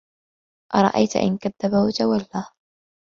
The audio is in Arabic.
أَرَأَيتَ إِن كَذَّبَ وَتَوَلّى